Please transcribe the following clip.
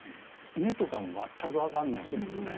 根とかも全くわかんないんですよね。